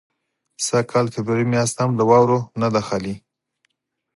سږ کال فبروري میاشت هم له واورو نه ده خالي.